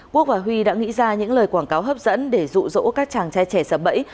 quốc và huy đã nghĩ ra những lời quảng cáo hấp dẫn để dụ dỗ các chàng trai trẻ sập bẫy